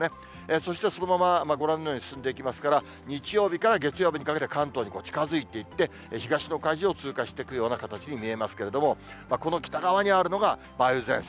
そしてそのままご覧のように進んでいきますから、日曜日から月曜日にかけて関東にも近づいていって、東の海上を通過していくような形に見えますけれども、この北側にあるのが梅雨前線。